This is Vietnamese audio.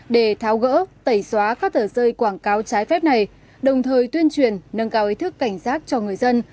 để tháo gỡ tẩy xóa các tờ rơi quảng cáo trái phép này đồng thời tuyên truyền nâng cao ý thức cảnh giác cho người dân